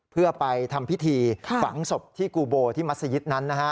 เพื่อไปทำพิธีฝังศพที่กูโบที่มัศยิตนั้นนะฮะ